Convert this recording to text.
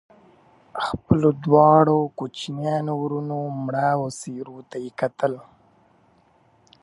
د خپلو دواړو کوچنيانو وروڼو مړاوو څېرو ته يې کتل